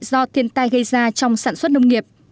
do thiên tai gây ra trong sản xuất nông nghiệp